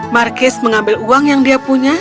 markis mengambil uang yang dia punya